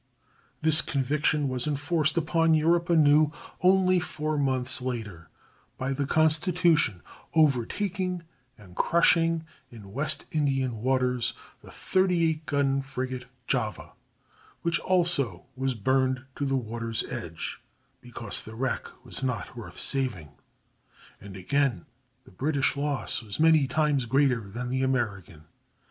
This conviction was enforced upon Europe anew only four months later by the Constitution overtaking and crushing in West Indian waters the 38 gun frigate Java, which also was burned to the water's edge, because the wreck was not worth saving; and again the British loss was many times greater than the American.